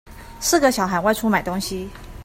四個小孩外出買東西